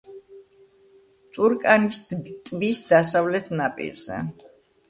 ტურკანის ტბის დასავლეთ ნაპირზე.